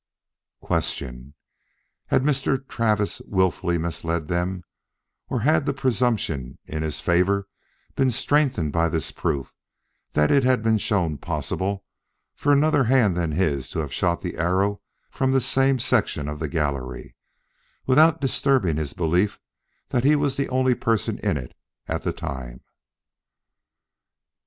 Question: Had Mr. Travis wilfully misled them, or had the presumption in his favor been strengthened by this proof that it had been shown possible for another hand than his to have shot the arrow from this same section of the gallery, without disturbing his belief that he was the only person in it at the time?